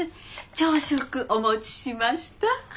朝食お持ちしました。